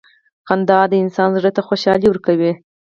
• خندا د انسان زړۀ ته خوشحالي ورکوي.